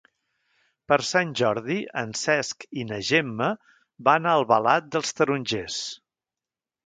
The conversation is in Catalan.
Per Sant Jordi en Cesc i na Gemma van a Albalat dels Tarongers.